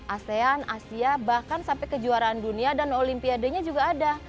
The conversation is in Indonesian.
asean asia bahkan sampai kejuaraan dunia dan olimpiade nya juga ada